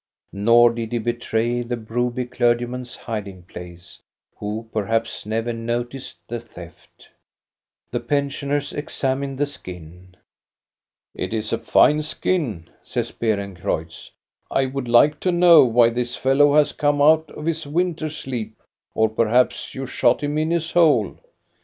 Nor did he betray the Broby clergyman's hiding place, who perhaps never noticed the theft. THE GREAT BEAR IN GURUTTA CUFF 137 The pensioners examine the skin. " It is a fine skin," says Beerencreutz. " I would like to know why this fellow has come out of his winter sleep, or perhaps you shot him in his hole?